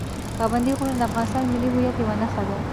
پابندي غرونه د افغانستان د ملي هویت یوه نښه ده.